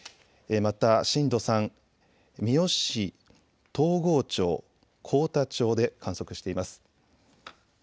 また震度３、みよし市、東郷町、幸田町で観測しています。